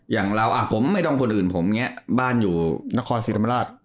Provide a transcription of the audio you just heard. อย่างเราอ่ะผมไม่ต้องคนอื่นผมแง่บ้านอยู่นครสีธรรมดาตร